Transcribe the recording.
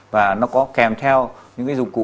và nó có kèm theo những cái dụng cụ